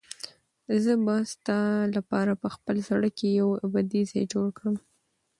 زه به ستا لپاره په خپل زړه کې یو ابدي ځای جوړ کړم.